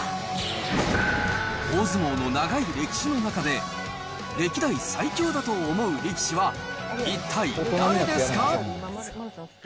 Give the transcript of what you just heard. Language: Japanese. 大相撲の長い歴史の中で、歴代最強だと思う力士は一体誰ですか？